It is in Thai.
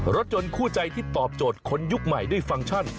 รถยนต์คู่ใจที่ตอบโจทย์คนยุคใหม่ด้วยฟังก์ชั่น